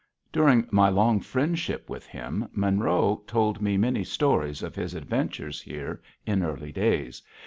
During my long friendship with him, Monroe told me many stories of his adventures here in early days.